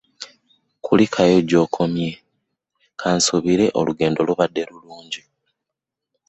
Kulikayo gy'okomye, kansuubire olugendo lubadde lulungi.